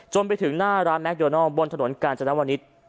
จนไปถึงหน้าร้านแมคโดนออมบนถนนกาลจันทร์วันนิสต์